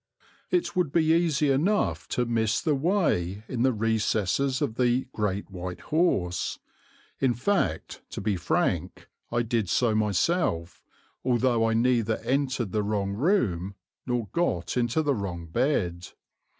It would be easy enough to miss the way in the recesses of the "Great White Horse"; in fact, to be frank, I did so myself, although I neither entered the wrong room nor got into the wrong bed.